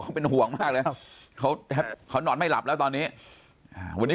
ว่าเขาเป็นห่วงมากเลยเขานอนไม่หลับแล้วตอนนี้วันนี้